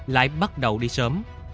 lại bắt đầu đi sớm